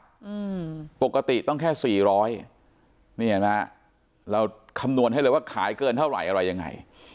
อืมปกติต้องแค่สี่ร้อยนี่เห็นไหมฮะเราคำนวณให้เลยว่าขายเกินเท่าไหร่อะไรยังไง